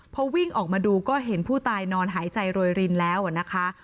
พอวิ่งออกมาดูก็เห็นผู้ตายนอนหายใจโรยรินแล้วนะคะ